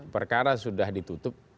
perkara sudah ditutup